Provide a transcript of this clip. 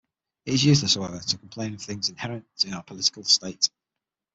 It is useless however, to complain of things inherent in our political state.